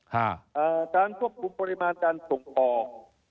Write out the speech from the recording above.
การควบคุมปริมาณการส่งออก